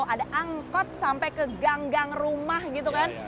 ada angkot sampai ke gang gang rumah gitu kan